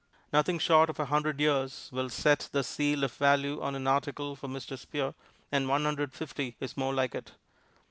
Nothing short of a hundred years will set the seal of value on an article for Mr. Spear, and one hundred fifty is more like it.